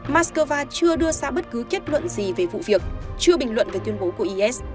mắc cơ va chưa đưa xa bất cứ kết luận gì về vụ việc chưa bình luận về tuyên bố của is